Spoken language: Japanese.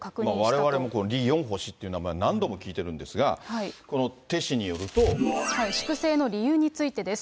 われわれも、このリ・ヨンホ氏という名前は何度も聞いてるん粛清の理由についてです。